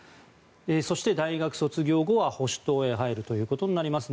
そして大学卒業後は保守党に入ることになります。